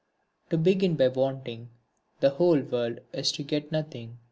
To begin by wanting the whole world is to get nothing.